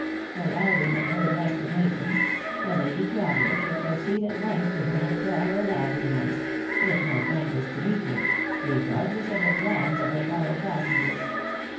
"'Arriving at her destination, the lady traveller should proceed at once to her hotel or lodging house, if no friend is to meet her, regardless of the plans of her fellow passengers.